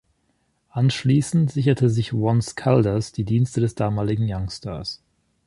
Anschließend sicherte sich Once Caldas die Dienste des damaligen Youngstars.